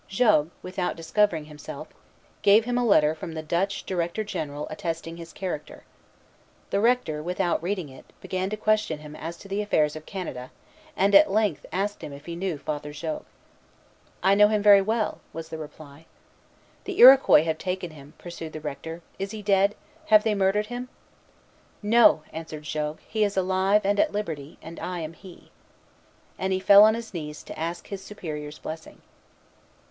Jogues, without discovering himself, gave him a letter from the Dutch Director General attesting his character. The Rector, without reading it, began to question him as to the affairs of Canada, and at length asked him if he knew Father Jogues. "I knew him very well," was the reply. "The Iroquois have taken him," pursued the Rector. "Is he dead? Have they murdered him?" "No," answered Jogues; "he is alive and at liberty, and I am he." And he fell on his knees to ask his Superior's blessing.